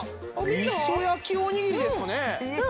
みそ焼きおにぎりですかね？